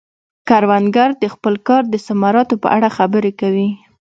کروندګر د خپل کار د ثمراتو په اړه خبرې کوي